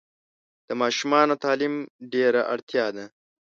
د ماشومانو تعلیم ډېره اړتیا ده.